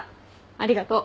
ありがとう。